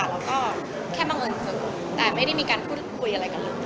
แล้วก็แค่บังเอิญซื้อแต่ไม่ได้มีการพูดคุยอะไรกันเลย